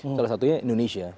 salah satunya indonesia